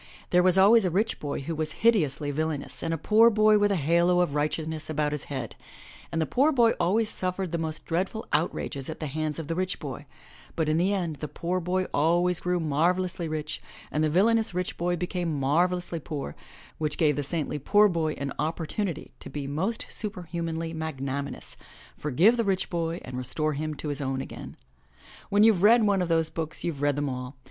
There was always a rich boy who was hideously villainous and a poor boy with a halo of righteousness about his head, and the poor boy always suffered the most dreadful outrages at the hands of the rich boy, but in the end the poor boy always grew marvelously rich and the villainous rich boy became marvelously poor, which gave the saintly poor boy an opportunity to be most superhumanly magnaminous, forgive the rich boy and restore him to his own again. When youVe read one of those books you've read them all.